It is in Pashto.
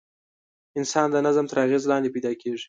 انسانان د نظم تر اغېز لاندې پیدا کېږي.